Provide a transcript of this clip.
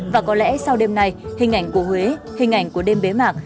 và có lẽ sau đêm nay hình ảnh của huế hình ảnh của đêm bế mạc